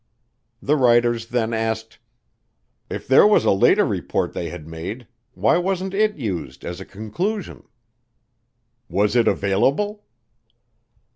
The writers then asked, "If there was a later report they had made why wasn't it used as a conclusion?" "Was it available?"